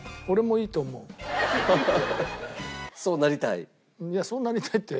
いやそうなりたいって。